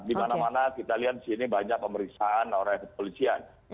di mana mana kita lihat disini banyak pemeriksaan oleh polisian